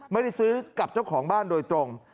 ไม่ได้ซื้อกับเจ้าของบ้านโดยตรง